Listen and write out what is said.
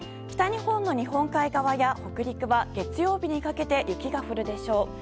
北日本の日本海側や北陸は月曜日にかけて雪が降るでしょう。